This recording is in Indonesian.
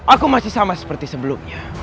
aku masih sama seperti sebelumnya